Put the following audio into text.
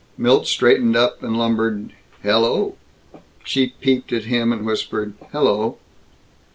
Milt straightened up and lumbered, "Hel lo!" She peeped at him and whispered, "Hel lo!"